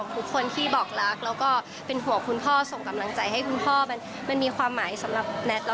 ผ่านนะครับ